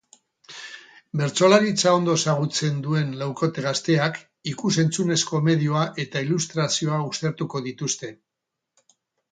Bertsolaritza ondo ezagutzen duen laukote gazteak ikus-entzunezko medioa eta ilustrazioa uztartuko dituzte.